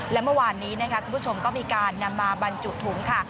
และเมื่อวานนี้นะคะคุณผู้ชมก็มีการนำมาบรรจุถุงค่ะ